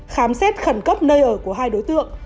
khám xét khẩn cấp nơi ở của hai đối tượng